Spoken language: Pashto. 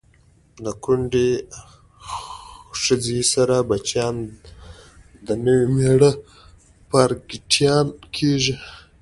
د کونډی خځی سره بچیان د نوي میړه پارکټیان کیږي